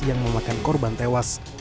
yang memakan korban tewas